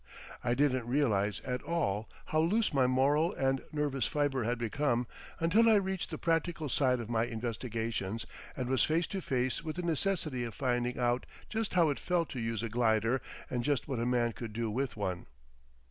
I didn't realise at all how loose my moral and nervous fibre had become until I reached the practical side of my investigations and was face to face with the necessity of finding out just how it felt to use a glider and just what a man could do with one.